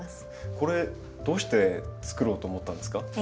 これどうしてつくろうと思ったんですか？